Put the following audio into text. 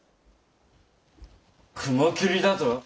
雲霧だと？